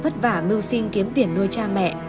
chịu đi ai cưới chi